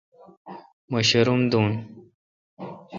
مہ شاروم دین۔